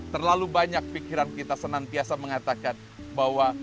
terlalu banyak pikiran kita senantiasa mengatakan bahwa